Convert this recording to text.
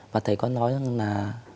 và thầy có nói rằng là